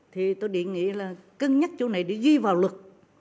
thì tôi định nghĩ là cân nhắc chỗ này để ghi vào luật